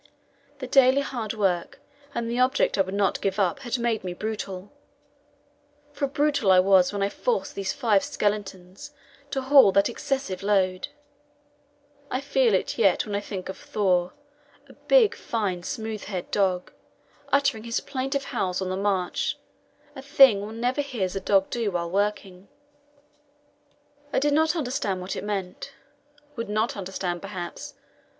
The daily hard work and the object I would not give up had made me brutal, for brutal I was when I forced those five skeletons to haul that excessive load. I feel it yet when I think of Thor a big, fine, smooth haired dog uttering his plaintive howls on the march, a thing one never hears a dog do while working. I did not understand what it meant would not understand, perhaps.